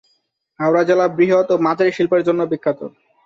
হাওড়া জেলা বৃহৎ ও মাঝারি শিল্পের জন্য বিখ্যাত।